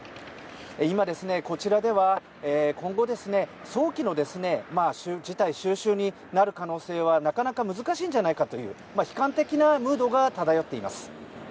今、こちらでは今後、早期の事態収拾になる可能性はなかなか難しいんじゃないかという悲観的なムードが漂っています。